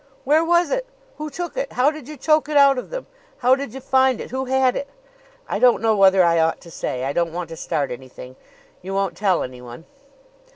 "Where was it? Who took it? How did you choke it out of them? How did you find it? Who had it?" "I don't know whether I ought to say. I don't want to start anything. You won't tell anyone?"